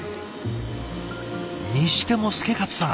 にしても祐勝さん